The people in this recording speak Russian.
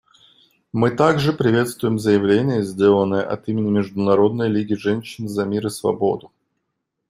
Мы также приветствуем заявление, сделанное от имени Международной лиги женщин за мир и свободу.